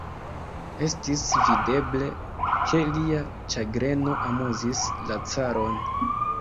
Estis videble, ke lia ĉagreno amuzis la caron.